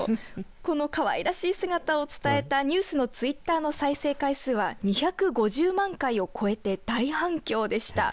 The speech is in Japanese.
このかわいらしい姿を伝えたニュースのツイッターの再生回数は２５０万回を超えて大反響でした。